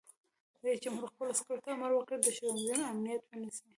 رئیس جمهور خپلو عسکرو ته امر وکړ؛ د ښوونځیو امنیت ونیسئ!